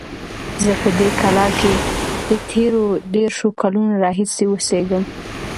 زه په دې کلا کې د تېرو دېرشو کلونو راهیسې اوسیږم.